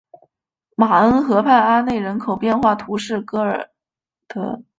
马恩河畔阿内人口变化图示戈尔德